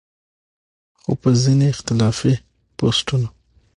خو پۀ ځينې اختلافي پوسټونو